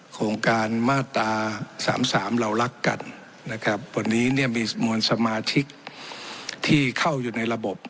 โครงการมาตราสามสามเรารักกันนะครับวันนี้เนี่ยมีมวลสมาชิกที่เข้าอยู่ในระบบ